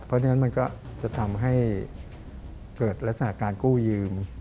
เพราะฉะนั้นมันก็จะทำให้เกิดลักษณะการกู้ยืม